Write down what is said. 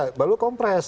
iya baru kompres